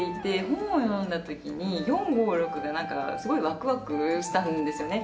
本を読んだ時に４５６がすごいワクワクしたんですよね。